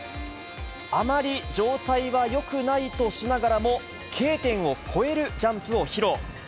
あまり状態はよくないとしながらも、Ｋ点を越えるジャンプを披露。